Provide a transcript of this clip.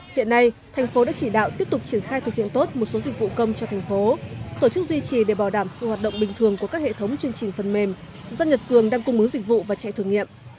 hiện nay thành phố đã chỉ đạo tiếp tục triển khai thực hiện tốt một số dịch vụ công cho thành phố tổ chức duy trì để bảo đảm sự hoạt động bình thường của các hệ thống chương trình phần mềm do nhật cường đang cung mứng dịch vụ và chạy thử nghiệm